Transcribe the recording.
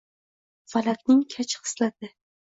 Falakning kaj xislati.